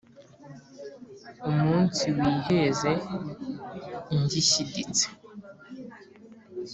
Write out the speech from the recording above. umunsi wiheze ngishyiditse